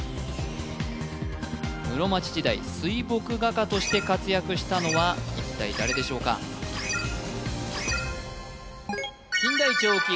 室町時代水墨画家として活躍したのは一体誰でしょうか金田一央紀